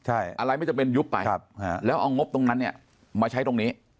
อะไรไม่จำเป็นยุบไปแล้วเอางบตรงนั้นเนี่ยมาใช้ตรงนี้